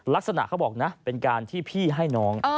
เขาบอกนะเป็นการที่พี่ให้น้อง